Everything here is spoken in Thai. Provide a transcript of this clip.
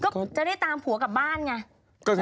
ก็จะได้ตามผัวกลับบ้านไง